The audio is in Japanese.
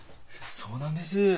そうなんです。